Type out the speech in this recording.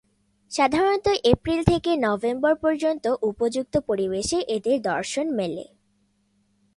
সাধারনত এপ্রিল থেকে নভেম্বর পর্যন্ত উপযুক্ত পরিবেশে এদের দর্শন মেলে।